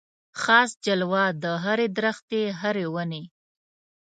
خاص جلوه د هري درختي هري وني